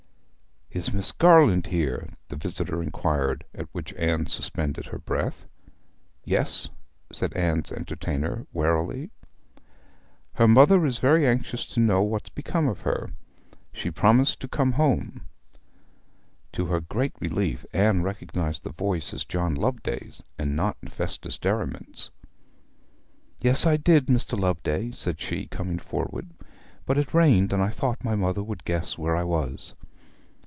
'Is Miss Garland here?' the visitor inquired, at which Anne suspended her breath. 'Yes,' said Anne's entertainer, warily. 'Her mother is very anxious to know what's become of her. She promised to come home.' To her great relief Anne recognized the voice as John Loveday's, and not Festus Derriman's. 'Yes, I did, Mr. Loveday,' said she, coming forward; 'but it rained, and I thought my mother would guess where I was.'